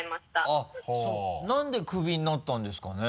あっそうなんでクビになったんですかね？